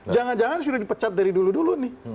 jangan jangan sudah dipecat dari dulu dulu nih